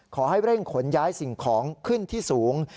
ขอให้เร่งขนย้ายสิ่งของขึ้นที่สูง